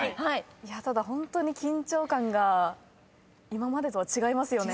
ただホントに緊張感が今までとは違いますよね。